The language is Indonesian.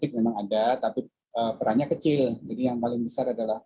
terutama dua tahun ini kita dalam masa pandemi